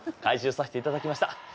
回収さしていただきました